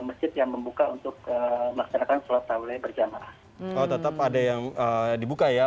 masjid yang membuka untuk melaksanakan sholat tawe berjamaah oh tetap ada yang dibuka ya